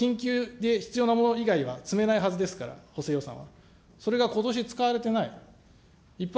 財政法上、緊急で必要なもの以外は積めないはずですから、補正予算は。